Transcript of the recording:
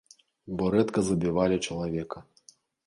Бо рэдка забівалі чалавека.